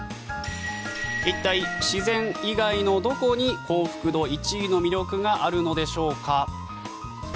一体、自然以外のどこに幸福度１位の魅力があるのでしょうか。